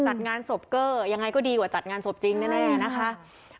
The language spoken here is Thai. จัดงานศพเกอร์ยังไงก็ดีกว่าจัดงานศพจริงแน่นะคะ